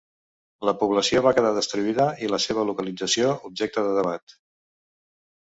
La població va quedar destruïda i la seva localització objecte de debat.